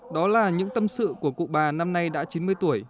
đó là những tâm sự của cụ bà năm nay đã chín mươi tuổi